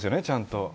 ちゃんと。